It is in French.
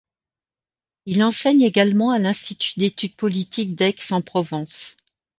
Il enseigne également à l'Institut d'études politiques d'Aix-en-Provence.